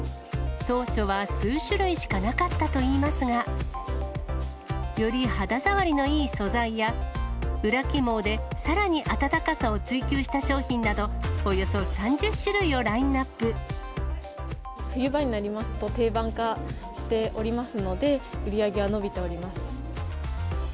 当初は数種類しかなかったといいますが、より肌触りのいい素材や、裏起毛でさらに暖かさを追求した商品など、およそ３０種類をライ冬場になりますと、定番化しておりますので、売り上げは伸びております。